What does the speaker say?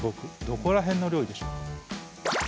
どこら辺の料理でしょうか？